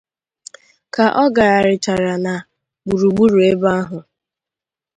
Ka ọ gagharịchara na gburugburu ebe ahụ